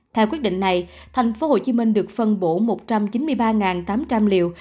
theo quyết định này thành phố hồ chí minh được phân bổ một trăm chín mươi ba tám trăm linh liều